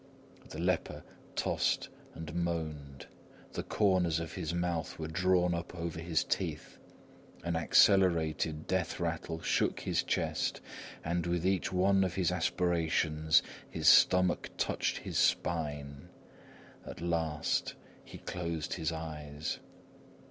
The leper tossed and moaned. The corners of his mouth were drawn up over his teeth; an accelerated death rattle shook his chest and with each one of his aspirations, his stomach touched his spine. At last, he closed his eyes.